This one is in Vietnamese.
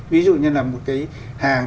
ví dụ như là một cái hàng